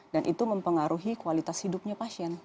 dan itu mempengaruhi kualitas hidupnya pasien